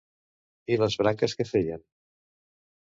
I les branques què feien?